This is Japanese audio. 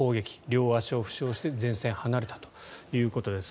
両足を負傷して前線を離れたということです。